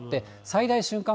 最大瞬間